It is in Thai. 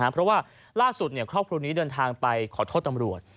เพราะว่าล่าสุดครอบครัวนี้เดินทางไปขอโทษตำรวจ